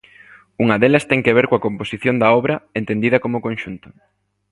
Unha delas ten que ver coa composición da obra entendida como conxunto.